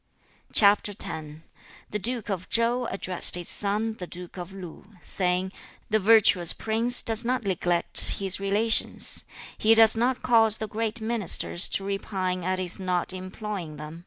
CHAP. X. The duke of Chau addressed his son, the duke of Lu, saying, 'The virtuous prince does not neglect his relations. He does not cause the great ministers to repine at his not employing them.